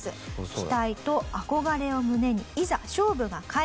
期待と憧れを胸にいざ勝負が開始！